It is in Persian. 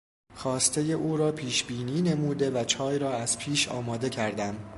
خواستهی او را پیش بینی نموده و چای را از پیش آماده کردم.